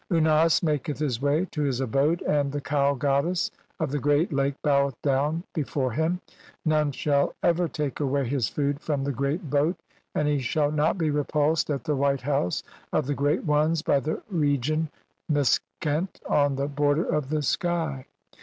Unas maketh his way to his abode, and "the cow goddess of the Great Lake boweth down be "fore him ; none shall ever take away his food from "the Great Boat, and he shall not be repulsed at the "White House of the great ones by the region Mes "khent on the border of the sky.